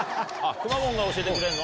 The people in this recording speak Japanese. くまモンが教えてくれるの？